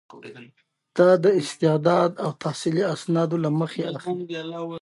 دا د استعداد او تحصیلي اسنادو له مخې اخلي.